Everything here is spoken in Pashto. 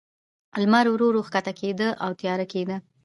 لمر ورو، ورو کښته کېده، او تیاره کېده.